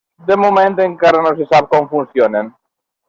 De moment encara no se sap com funcionen.